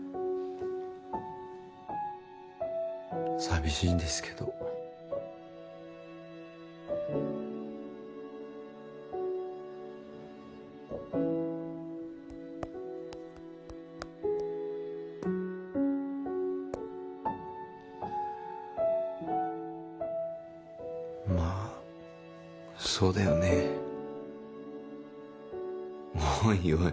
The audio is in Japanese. さびしいんですけどまぁそうだよねおいおい